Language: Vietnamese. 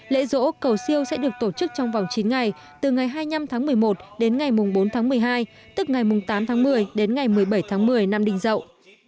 lễ rỗ cầu siêu sẽ được tổ chức trong vòng chín ngày từ ngày hai mươi năm tháng một mươi một đến ngày bốn tháng một mươi hai tức ngày tám tháng một mươi đến ngày một mươi bảy tháng một mươi năm đinh dậu